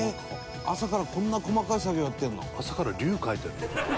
朝からこんな細かい作業やってるの？」